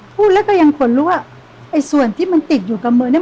พูดแล้วก็ยังขนรู้ว่าไอ้ส่วนที่มันติดอยู่กับมือเนี้ย